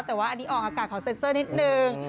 แต่ว่าอันนี้ออกอากาศขอเซ็นเซอร์นิดนึง